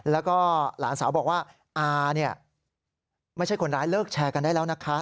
แล้วก็หลานสาวบอกว่าอาเนี่ยไม่ใช่คนร้ายเลิกแชร์กันได้แล้วนะคะ